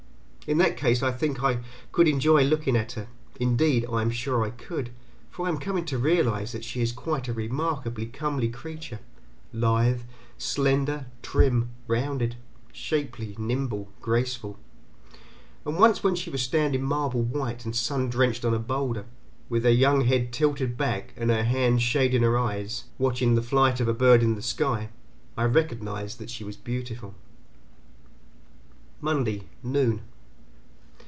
In that case I think I could enjoy looking at her; indeed I am sure I could, for I am coming to realize that she is a quite remarkably comely creature lithe, slender, trim, rounded, shapely, nimble, graceful; and once when she was standing marble white and sun drenched on a boulder, with her young head tilted back and her hand shading her eyes, watching the flight of a bird in the sky, I recognized that she was beautiful. MONDAY NOON.